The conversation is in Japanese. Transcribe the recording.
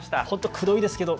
くどいですけど。